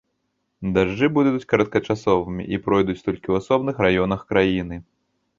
Дажджы будуць кароткачасовымі і пройдуць толькі ў асобных раёнах краіны.